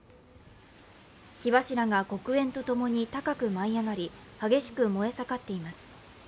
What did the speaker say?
火柱が黒煙とともに高く舞い上がり激しく燃えさかっています。